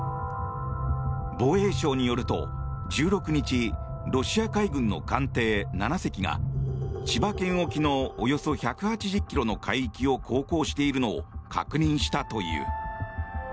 防衛省によると１６日、ロシア海軍の艦艇７隻が千葉県沖のおよそ１８０ｋｍの海域を航行しているのを確認したという。